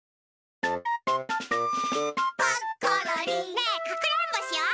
ねえかくれんぼしよう。